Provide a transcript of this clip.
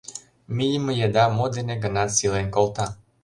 Мийыме еда мо дене гынат сийлен колта.